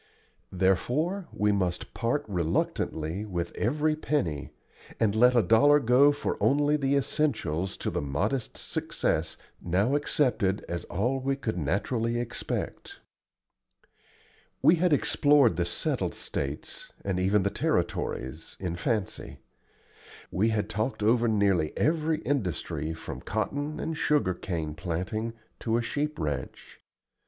Therefore we must part reluctantly with every penny, and let a dollar go for only the essentials to the modest success now accepted as all we could naturally expect. We had explored the settled States, and even the Territories, in fancy; we had talked over nearly every industry from cotton and sugarcane planting to a sheep ranch.